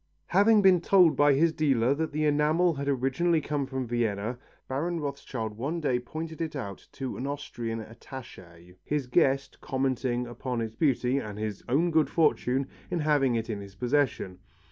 Having been told by his dealer that the enamel had originally come from Vienna, Baron Rothschild one day pointed it out to an Austrian attaché, his guest, commenting upon its beauty and his own good fortune in having it in his possession.